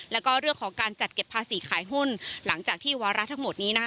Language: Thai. แล้วก็เรื่องของการจัดเก็บภาษีขายหุ้นหลังจากที่วาระทั้งหมดนี้นะคะ